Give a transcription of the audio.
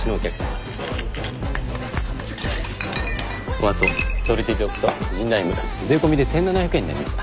お後ソルティドッグとジンライム税込みで１，７００円になります。